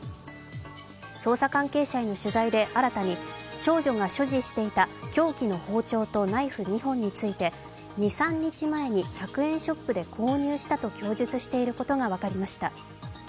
捜査関係者への取材で新たに少女が所持していた凶器の包丁とナイフ２本について２３日前に１００円ショップで購入したと供述していることが分かりました。